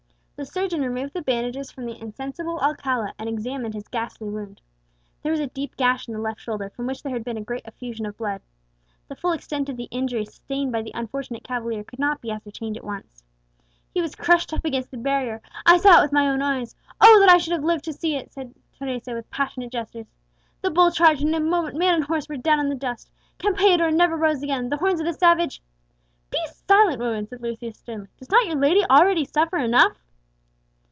The surgeon removed the bandages from the insensible Alcala, and examined his ghastly wound. There was a deep gash in the left shoulder, from which there had been a great effusion of blood. The full extent of the injury sustained by the unfortunate cavalier could not be ascertained at once. "He was crushed up against the barrier, I saw it with my own eyes, oh that I should have lived to see it!" cried Teresa, with passionate gestures. "The bull charged, and in a moment man and horse were down in the dust. Campeador never rose again, the horns of the savage " "Be silent, woman!" said Lucius sternly; "does not your lady already suffer enough?"